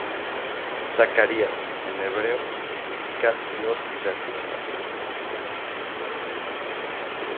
Zacarías, זְכַרְיָה en hebreo, significa "Dios se acuerda".